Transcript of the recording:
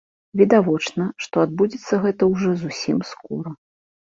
Відавочна, што адбудзецца гэта ўжо зусім скора.